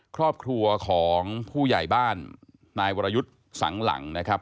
ครอบครัวของผู้ใหญ่บ้านนายวรยุทธ์สังหลังนะครับ